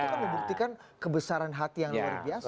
itu kan membuktikan kebesaran hati yang luar biasa